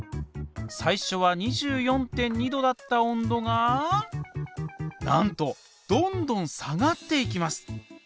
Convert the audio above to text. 最初は２４．２℃だった温度がなんとどんどん下がっていきます！